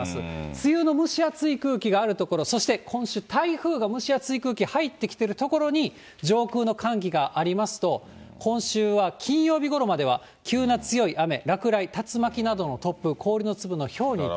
梅雨の蒸し暑い空気がある所、そして、今週、台風が蒸し暑い空気入ってきてるところに、上空の寒気がありますと、今週は金曜日ごろまでは、急な強い雨、落雷、竜巻などの突風、氷の粒のひょうに注意。